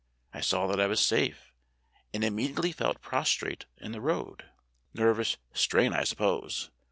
I saw that I was safe, and im mediately fell prostrate in the road. Nervous strain, I suppose.